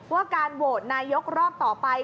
ว่าการโหวตนายกรอบต่อไป